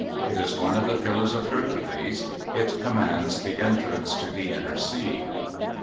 It is one of the pillars of Hercules: it commands the entrance to the inner sea.